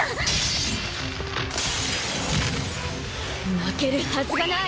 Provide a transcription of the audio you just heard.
負けるはずがない！